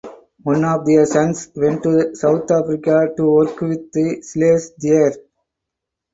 One of their sons went to South Africa to work with the slaves there.